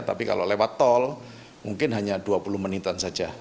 tapi kalau lewat tol mungkin hanya dua puluh menitan saja